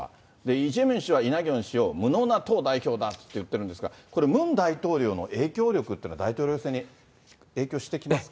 イ・ジェミョン氏はイ・ナギョンさんを無能な党代表だって言ってるんですが、ムン大統領の影響力って、影響してきますか？